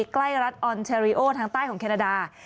ใกล้รัฐออนเทอริโอทั้งใต้ของเคนาดา